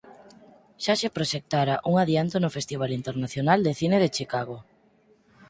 Xa se proxectara un adianto no Festival Internacional de Cine de Chicago.